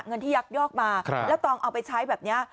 เงินที่ยักยอกมาแล้วตองเอาไปใช้แบบนี้